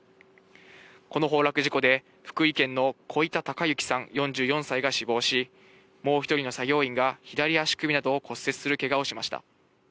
この崩落事故で福井県の小板孝幸さん、４４歳が死亡し、もう１人の作業員が左足首などを骨折するけがをしました。